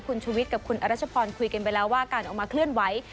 คุณชุวิตกับคุณอรัชพรคุยกันไปแล้วว่าการออกมาเคลื่อนไหว